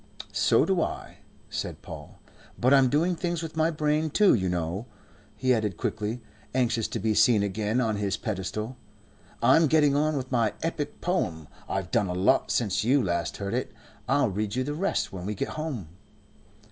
"So do I," said Paul. "But I'm doing things with my brain, too, you know," he added quickly, anxious to be seen again on his pedestal. "I am getting on with my epic poem. I've done a lot since you last heard it. I'll read you the rest when we get home."